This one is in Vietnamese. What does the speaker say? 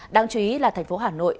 đáng chú ý là thành phố hà nội